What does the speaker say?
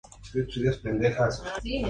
Protagonizada por Silvia Caos y Raúl Farell.